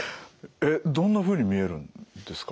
えっどんなふうに見えるんですか？